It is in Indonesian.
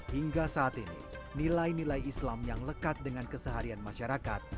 hingga saat ini nilai nilai islam yang lekat dengan keseharian masyarakat